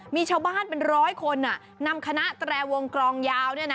มีชาวบ้านเป็นร้อยคนนำคณะแตรวงกรองยาว